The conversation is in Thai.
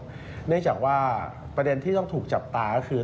เนื่องจากว่าประเด็นที่ต้องถูกจับตาก็คือ